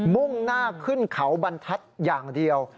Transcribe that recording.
มุ่งหน้าขึ้นเขาบรรทัศน์อย่างเดียว